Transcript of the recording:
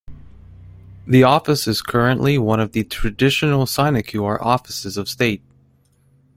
The office is currently one of the traditional sinecure offices of state.